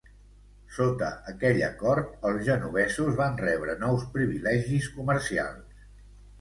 Sota aquell acord, els genovesos van rebre nous privilegis comercials.